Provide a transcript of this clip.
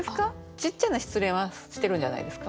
ちっちゃな失恋はしてるんじゃないですか？